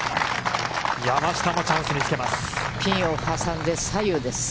山下もチャンスにつけます。